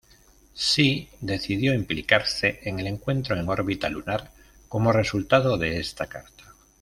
Shea decidió implicarse en el encuentro en órbita lunar como resultado de esta carta.